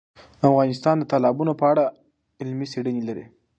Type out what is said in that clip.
افغانستان د تالابونه په اړه علمي څېړنې لري.